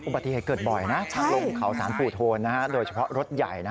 ปฏิเหตุเกิดบ่อยนะทางลงเขาสารปู่โทนโดยเฉพาะรถใหญ่